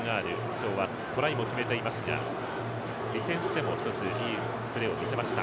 今日はトライも決めていますがディフェンスでも一つ、いいプレーを見せました。